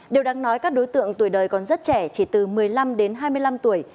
điều đáng nói các đối tượng tuổi đời còn rất trẻ chỉ từ một mươi năm đến hai mươi năm tuổi